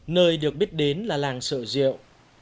nơi được biết đến là làng sợ diệu